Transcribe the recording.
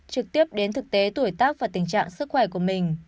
trực tiếp đến thực tế tuổi tác và tình trạng sức khỏe của mình